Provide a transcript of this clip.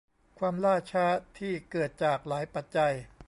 ความล่าช้าที่เกิดจากหลายปัจจัย